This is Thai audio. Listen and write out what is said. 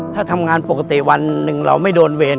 ถ้าทำงานปกติวันหนึ่งเราไม่โดนเวร